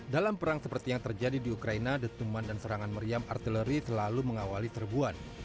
dalam perang seperti yang terjadi di ukraina detuman dan serangan meriam artileri selalu mengawali serbuan